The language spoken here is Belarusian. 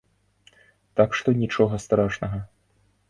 Так што нічога страшнага!